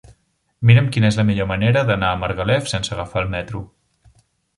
Mira'm quina és la millor manera d'anar a Margalef sense agafar el metro.